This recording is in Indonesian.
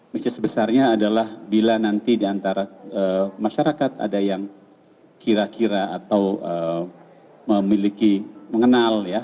misa sebesarnya adalah bila nanti di antara masyarakat ada yang kira kira atau memiliki mengenal ya